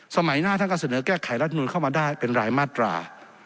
สมัยหน้าท่านก็เสนอแก้ไขรัฐมนุนเข้ามาได้เป็นรายมาตรา